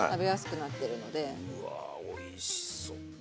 うわおいしそう。